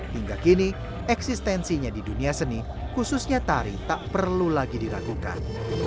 hingga kini eksistensinya di dunia seni khususnya tari tak perlu lagi diragukan